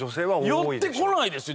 寄ってこないですよ